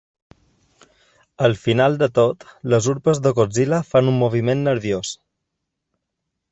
Al final de tot, les urpes de Godzilla fan un moviment nerviós.